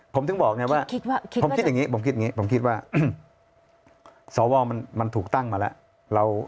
ผมถึงบอกไงว่าผมคิดอย่างนี้ผมคิดอย่างนี้ผมคิดว่าสวมันถูกตั้งมาแล้ว